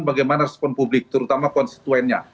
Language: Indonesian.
bagaimana respon publik terutama konstituennya